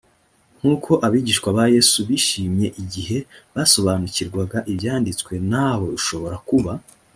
nk uko abigishwa ba yesu bishimye igihe basobanukirwaga ibyanditswe nawe ushobora kuba